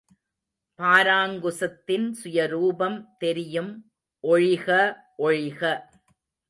பாராங்குசத்தின் சுயரூபம் தெரியும் ஒழிக ஒழிக.